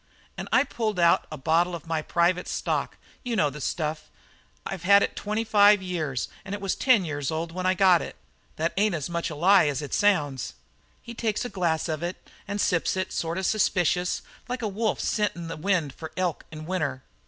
"And I pulled out a bottle of my private stock you know the stuff; I've had it twenty five years, and it was ten years old when I got it. That ain't as much of a lie as it sounds. "He takes a glass of it and sips it, sort of suspicious, like a wolf scentin' the wind for an elk in winter.